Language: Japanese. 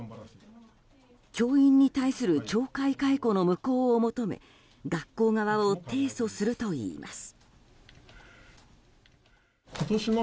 教員に対する懲戒解雇の無効を求め学校側を提訴するといいます。